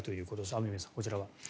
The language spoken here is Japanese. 雨宮さん、こちらは。